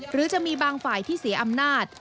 หรือจะมีบางฝ่ายที่เสียอำนาจ